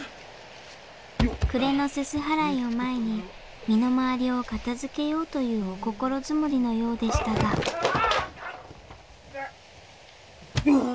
暮れの煤払いを前に身の回りを片づけようというお心づもりのようでしたがあっ！